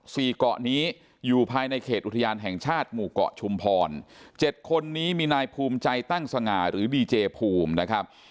เกาะนี้อยู่ภายในเขตอุทยานแห่งชาติหมู่เกาะชุมพรเจ็ดคนนี้มีนายภูมิใจตั้งสง่าหรือดีเจภูมินะครับ